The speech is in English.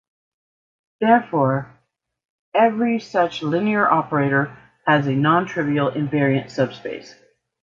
Therefore, every such linear operator has a non-trivial invariant subspace.